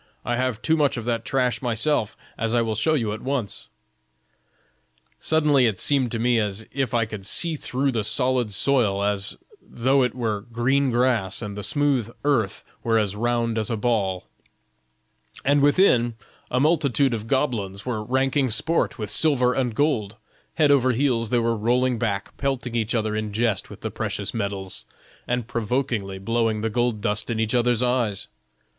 I have too much of that trash myself, as I will show you at once?'" "Suddenly it seemed to me as if I could see through the solid soil as though it were green glass and the smooth earth were as round as a ball; and within, a multitude of goblins were ranking sport with silver and gold; head over heels they were rolling about, pelting each other in jest with the precious metals, and provokingly blowing the gold dust in each other's eyes.